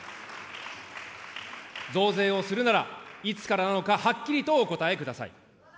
増税をするなら、いつからなのか、はっきりとお答えください。